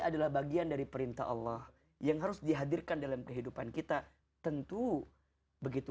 adalah bagian dari perintah allah yang harus dihadirkan dalam kehidupan kita tentu begitu